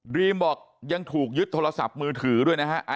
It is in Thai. รีมบอกยังถูกยึดโทรศัพท์มือถือด้วยนะฮะ